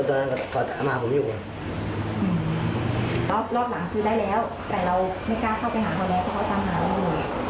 แล้วรอบหลังซื้อได้แล้วแต่เราไม่กล้าเข้าไปหาเขาแล้วเพราะเขาตามหาเราอยู่